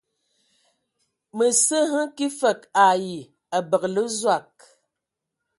Mǝ sǝ hm kig fǝg ai abǝgǝlǝ Zɔg.